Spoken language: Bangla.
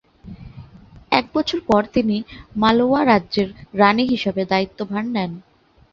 এক বছর পর তিনি মালওয়া রাজ্যের রানী হিসাবে দায়িত্বভার নেন।